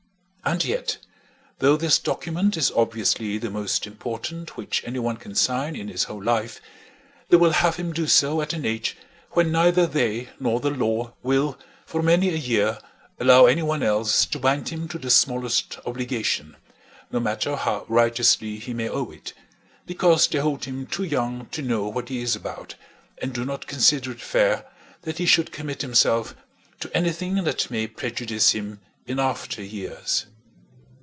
And yet, though this document is obviously the most important which any one can sign in his whole life, they will have him do so at an age when neither they nor the law will for many a year allow any one else to bind him to the smallest obligation, no matter how righteously he may owe it, because they hold him too young to know what he is about, and do not consider it fair that he should commit himself to anything that may prejudice him in after years.